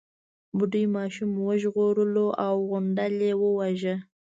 بوډۍ ماشوم وژغورلو او غونډل يې وواژه.